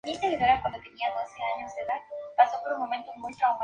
Los miembros de The New Day son a menudo entusiasmados y positivos.